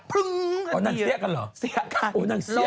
พึ้งกันดีกว่าเสียกันค่ะโอ้โฮนั่นเสียกันหรือ